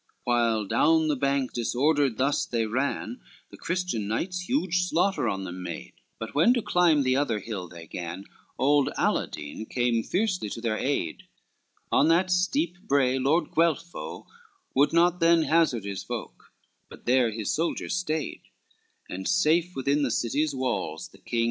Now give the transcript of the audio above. XCVI While down the bank disordered thus they ran, The Christian knights huge slaughter on them made; But when to climb the other hill they gan, Old Aladine came fiercely to their aid: On that steep brae Lord Guelpho would not than Hazard his folk, but there his soldiers stayed, And safe within the city's walls the king.